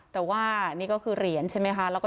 แต่ว่านี่ก็คือเหรียญใช่ไหมคะ